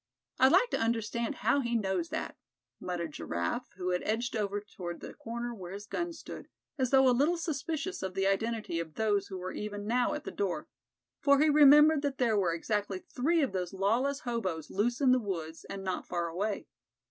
"I'd like to understand how he knows that," muttered Giraffe, who had edged over toward the corner where his gun stood, as though a little suspicious of the identity of those who were even now at the door; for he remembered that there were exactly three of those lawless hoboes loose in the woods, and not far away.